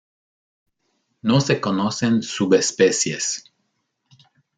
No se conocen subespecies.